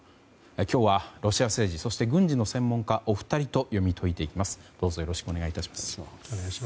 今日はロシア政治、そして軍事の専門家、お二人と読み解いていきます、どうぞよろしくお願いいたします。